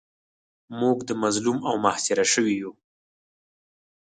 موږ مظلوم او محاصره شوي یو.